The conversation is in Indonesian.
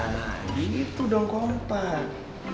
nah gitu dong kompak